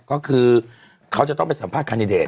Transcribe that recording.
ก็คือเขาจะต้องไปสัมภาษคันดิเดต